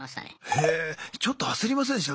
へえちょっと焦りませんでした？